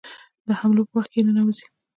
د حملو په وخت کې ننوزي.